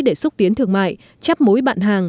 để xúc tiến thương mại chắp mối bạn hàng